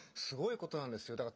すごいことなんですよ。